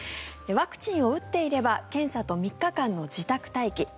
ワクチンを打っていれば検査と３日間の自宅待機。